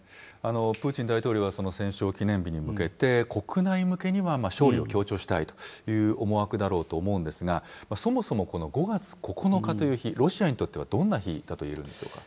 プーチン大統領はその戦勝記念日に向けて、国内向けには勝利を強調したいという思惑だろうと思うんですが、そもそもこの５月９日という日、ロシアにとってはどんな日だといえるでしょうか。